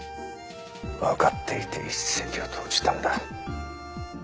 分かっていて一石を投じたんだ。